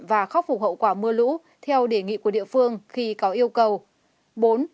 và khắc phục hậu quả mưa lũ theo đề nghị của địa phương khi có yêu cầu